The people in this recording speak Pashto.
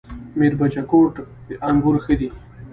میربچه کوټ انګور ښه دي؟